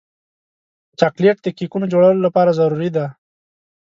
چاکلېټ د کیکونو جوړولو لپاره ضروري دی.